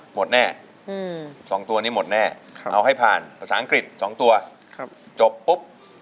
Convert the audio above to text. หมดแน่๒ตัวนี้หมดแน่เอาให้ผ่านภาษาอังกฤษ๒ตัวจบปุ๊บ